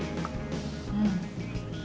うん。